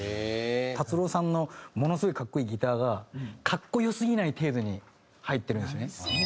達郎さんのものすごい格好いいギターが格好良すぎない程度に入ってるんですよね。